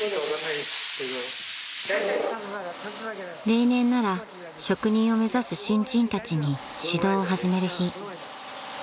［例年なら職人を目指す新人たちに指導を始める日］